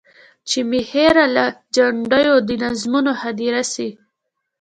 چي مي هېره له جنډیو د نظمونو هدیره سي.